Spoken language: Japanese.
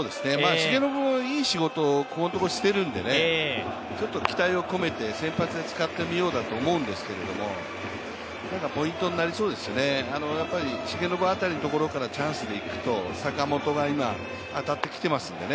重信もいい仕事をこのところしているのでね期待を込めて先発で使ってみようだと思うんですけれども、ポイントになりそうですね、重信辺りのところからチャンスでいくと坂本が今、当たってきてますんでね。